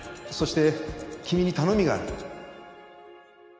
そして君に頼みがある。